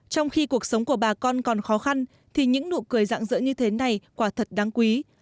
trong khi cuộc sống của bà con còn khó khăn thì những nụ cười dạng dỡ như thế này quả thật đáng quý